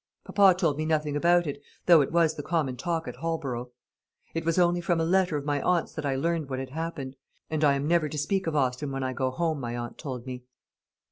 Papa told me nothing about it, though it was the common talk at Holborough. It was only from a letter of my aunt's that I learnt what had happened; and I am never to speak of Austin when I go home, my aunt told me."